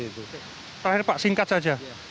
terakhir pak singkat saja